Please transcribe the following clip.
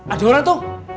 ada orang tuh